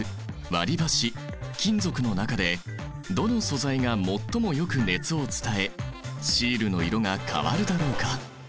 割りばし金属の中でどの素材が最もよく熱を伝えシールの色が変わるだろうか？